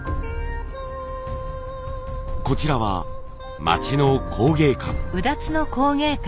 こちらは町の工芸館。